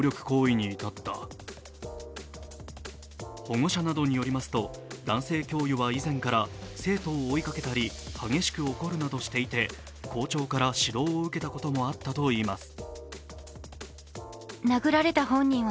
保護者などによりますと、男性教諭は以前から生徒を追いかけたり、激しく怒るなどしていて、校長から指導を受けたこともあったといいます。